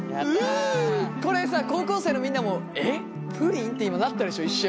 これさ高校生のみんなもえプリン？って今なったでしょ一瞬。